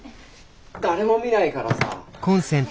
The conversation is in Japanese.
誰も見ないからさ。